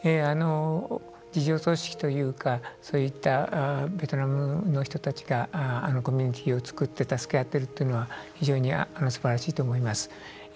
自助組織というかそういったベトナムの人たちがコミュニティーを作って助け合ってるというのは非常にすばらしいと思います。